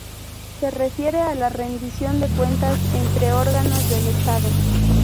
Se refiere a la rendición de cuentas entre órganos del Estado.